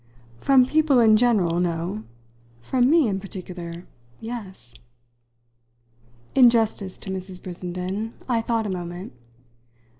"From people in general, no. From me in particular, yes." In justice to Mrs. Brissenden I thought a moment.